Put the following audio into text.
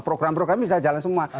program program bisa jalan semua